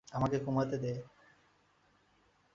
আমাকে ঘুমাতে দে।